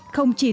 không chỉ tôi